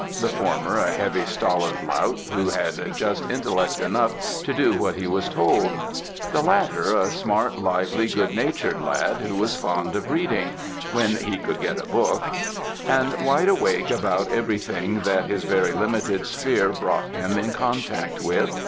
The former a heavy, stolid lout, who had just intellect enough to do what he was told; the latter, a smart, lively, goodnatured lad, who was fond of reading, when he could get a book; and wide awake about everything that his very limited sphere brought him in contact with.